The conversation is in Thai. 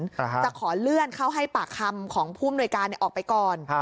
จะขอเลื่อนเข้าให้ปากคำของผู้มนวยการออกไปก่อน